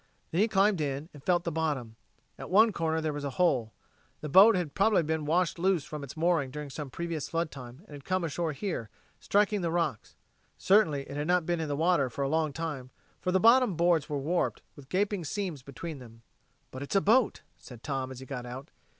Then he climbed in and felt of the bottom. At one corner there was a hole. The boat had probably been washed loose from its mooring during some previous flood time, and had come ashore here, striking the rocks. Certainly it had not been in the water for a long time, for the bottom boards were warped, with gaping seams between them. "But it's a boat," said Tom, as he got out.